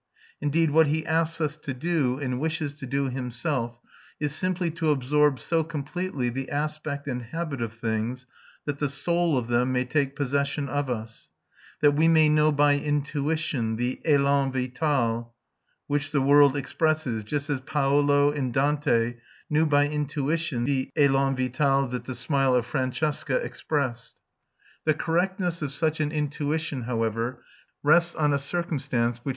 Indeed what he asks us to do, and wishes to do himself, is simply to absorb so completely the aspect and habit of things that the soul of them may take possession of us: that we may know by intuition the élan vital which the world expresses, just as Paolo, in Dante, knew by intuition the élan vital that the smile of Francesca expressed. The correctness of such an intuition, however, rests on a circumstance which M.